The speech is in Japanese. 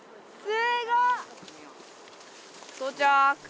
すごっ！